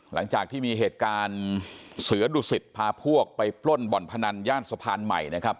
หลังจากที่มีเหตุการณ์เสือดุสิตพาพวกไปปล้นบ่อนพนันย่านสะพานใหม่นะครับ